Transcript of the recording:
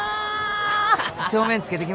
帳面つけてきました